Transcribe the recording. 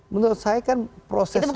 menurut saya kan proses hukum